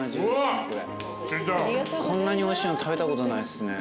こんなにおいしいの食べたことないっすね